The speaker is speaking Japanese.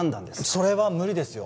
それは無理ですよ